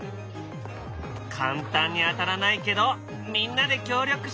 簡単に当たらないけどみんなで協力して。